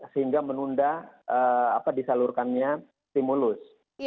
sehingga menunda disalurkannya stimulus